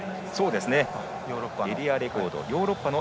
エリアレコードですかヨーロッパの。